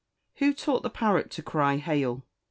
"Who taught the parrot to cry, hail?